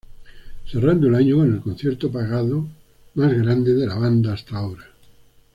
Cerrando el año con el concierto, pagado, mas grande de la banda hasta ahora.